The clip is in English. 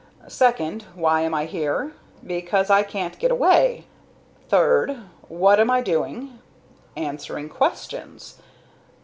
Second why am I here? Because I can't get away. Third what am I doing? Answering questions.